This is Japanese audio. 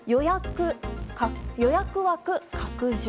予約枠拡充